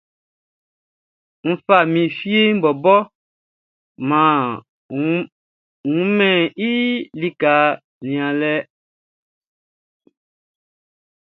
N fɛ, mi fieʼn bɔbɔʼn, mʼan wiemɛn i sɔʼn i lika nianlɛ.